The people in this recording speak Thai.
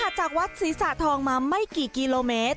จากวัดศรีสะทองมาไม่กี่กิโลเมตร